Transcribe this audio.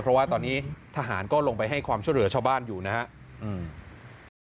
เพราะว่าตอนนี้ทหารก็ลงไปให้ความช่วยเหลือชาวบ้านอยู่นะครับ